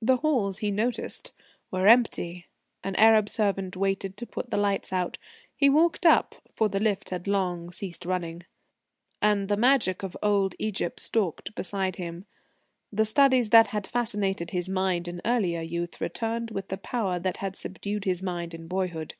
The halls, he noticed, were empty; an Arab servant waited to put the lights out. He walked up, for the lift had long ceased running. And the magic of old Egypt stalked beside him. The studies that had fascinated his mind in earlier youth returned with the power that had subdued his mind in boyhood.